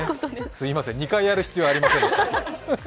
すみません、２回やる必要はありませんでした。